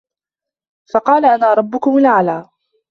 فَقالَ أَنا رَبُّكُمُ الأَعلى